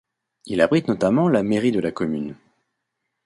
Il abrite notamment la mairie de la commune.